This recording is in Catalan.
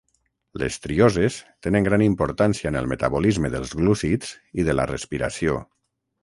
Les trioses tenen gran importància en el metabolisme dels glúcids i de la respiració.